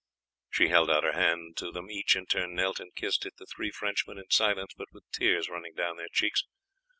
She held out her hand to them; each in turn knelt and kissed it, the three Frenchmen in silence but with tears running down their cheeks.